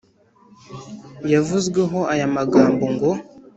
Yavuzweho aya magambo ngo